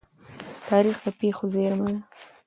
تاریخ د پېښو زيرمه ده.